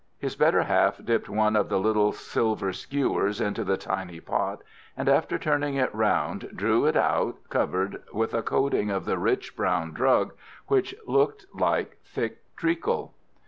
His better half dipped one of the little silver skewers into the tiny pot, and after turning it round drew it out covered with a coating of the rich brown drug, which looked like thick treacle.